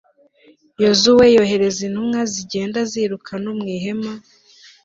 yozuwe yohereza intumwa zigenda ziruka no mu ihema